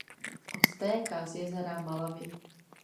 Odtéká z jezera Malawi.